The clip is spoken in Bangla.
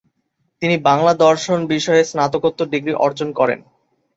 তিনি 'বাংলা ও দর্শন' বিষয়ে স্নাতকোত্তর ডিগ্রী অর্জন করেন।